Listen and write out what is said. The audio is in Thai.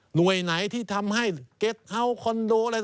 หน่วยไหนที่ทำให้เก็ตฮาวคอนโดอะไร